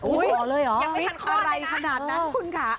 อุ๊ยยังไม่ทันคลอดเลยนะอะไรขนาดนั้นคุณคะ